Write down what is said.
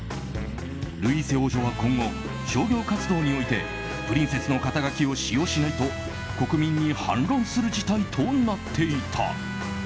ルイーセ王女は今後商業活動においてプリンセスの肩書を使用しないと国民に反論する事態となっていた。